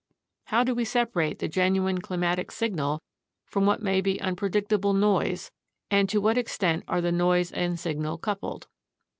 How do we separate the genuine climatic signal from what may be un predictable "noise," and to what extent are the noise and signal coupled?